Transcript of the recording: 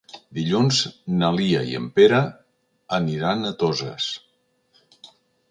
Dilluns na Lia i en Pere aniran a Toses.